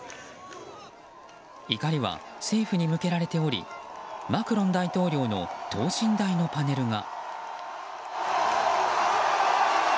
怒りは政府に向けられておりマクロン大統領の等身大のパネルが。